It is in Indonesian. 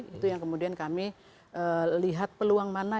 itu yang kemudian kami lihat peluang mana